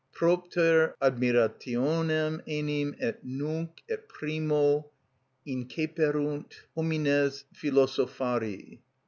(_Propter admirationem enim et nunc et primo inceperunt homines philosophari.